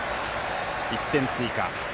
１点追加。